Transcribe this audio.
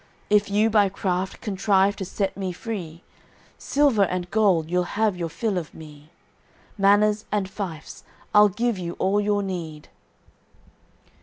If you by craft contrive to set me free, Silver and gold, you'll have your fill of me, Manors and fiefs, I'll give you all your need."